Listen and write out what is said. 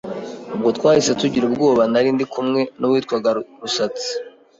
Ubwo twahise tugira ubwoba, nari ndi kumwe n’uwitwaga Rusatsi